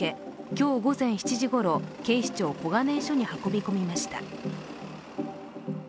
今日午前７時ごろ、警視庁小金井署に運び込みました。